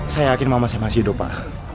saya yakin mama saya masih hidup pak